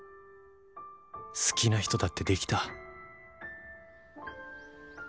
好きな人だってできた